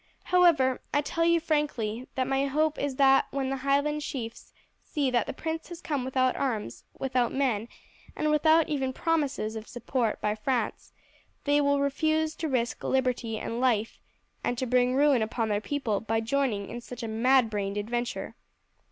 However, I tell you frankly that my hope is that when the Highland chiefs see that the prince has come without arms, without men, and without even promises of support by France, they will refuse to risk liberty and life and to bring ruin upon their people by joining in such a mad brained adventure."